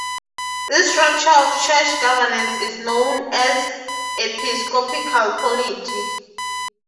This structure of church governance is known as episcopal polity.